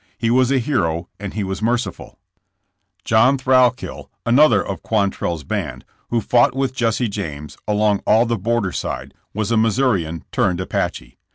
He was a hero and he was merciful. 58 JESSK JAMES. '*John Thrailkill, another of QuantreU's band, who fought with Jesse James along all the border side, wa^ a Missourian turned Apache.